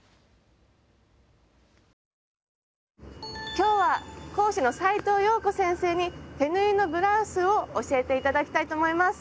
今日は講師の斉藤謠子先生に手縫いのブラウスを教えて頂きたいと思います。